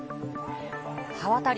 刃渡り